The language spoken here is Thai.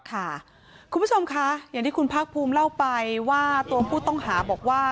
คุณผู้ชมคะอย่างที่คุณภาคภูมิเล่าไปว่าตัวผู้ต้องหาบอกว่า